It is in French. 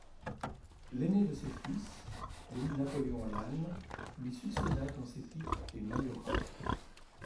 L'aîné de ses fils, Louis Napoléon Lannes lui succéda dans ses titres et majorat.